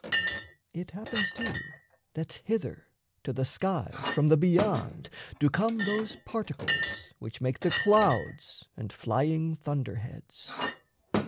It happens, too, That hither to the skies from the Beyond Do come those particles which make the clouds And flying thunderheads.